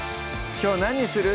きょう何にする？